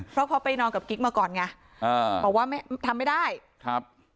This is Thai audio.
เพราะเขาไปนอนกับกิ๊กมาก่อนไงอ่าบอกว่าไม่ทำไม่ได้ครับ